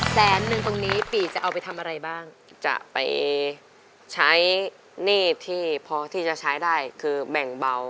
แสนนึงตรงนี้ปีจะเอาไปทำอะไรบ้างจะไปใช้หนี้ที่พอที่จะใช้ได้คือแบ่งเบา